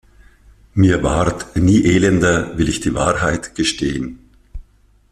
Mir ward nie elender, will ich die Wahrheit gestehen.